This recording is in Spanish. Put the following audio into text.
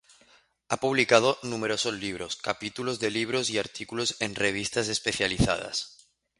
Ha publicado numerosos libros, capítulos de libros y artículos en revistas especializadas.